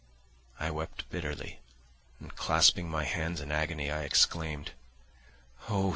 I wept bitterly, and clasping my hands in agony, I exclaimed, "Oh!